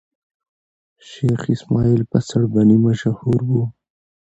شېخ اسماعیل په سړبني مشهور وو.